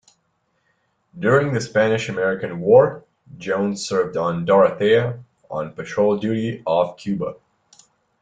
During the Spanish-American War Jones served on "Dorothea" on patrol duty off Cuba.